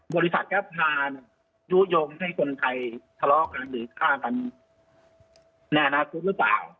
บริษัทแอปพานยุโยงให้คนไทยทะเลาะกันหรือฆ่ากันในอนาคตหรือเปล่า